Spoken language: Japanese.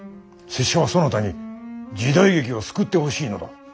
拙者はそなたに時代劇を救ってほしいのだ。